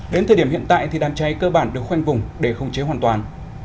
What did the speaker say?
đến thời điểm hiện tại thì đám cháy cơ bản được khoanh vùng để không chế hoàn toàn